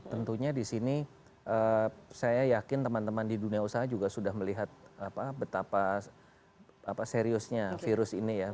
tentunya di sini saya yakin teman teman di dunia usaha juga sudah melihat betapa seriusnya virus ini ya